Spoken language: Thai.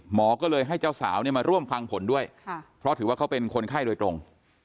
หมอก็เลยให้เจ้าสาวเนี่ยมาร่วมฟังผลด้วยเพราะถือว่าเขาเป็นคนไข้โดยตรง